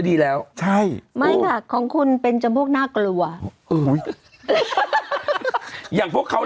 แต่ว่าแบบอัฆ้ีกว่าก็เคลื่อนึงแกน